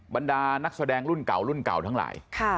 บันดานักแสดงรุ่นเก่าทั้งหลาย